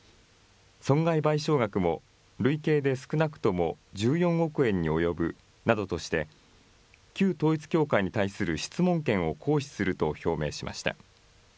損害賠償額も累計で少なくとも１４億円に及ぶなどとして、旧統一教会に対する質問権を行使すると表明しました。